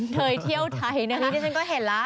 เธอยเที่ยวไทยที่ฉันก็เห็นละ